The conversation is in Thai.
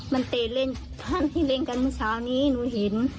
มันเตะเล่นที่เล่นกันเมื่อเช้านี้หนูเห็น